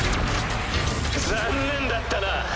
残念だったな。